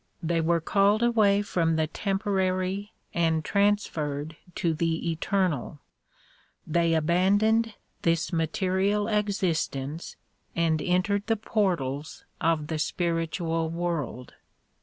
They were called away from the temporary and transferred to the eternal ; they abandoned this material existence and entered the portals of the spiritual world.